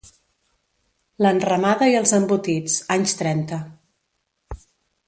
L'enramada i els embotits, anys trenta.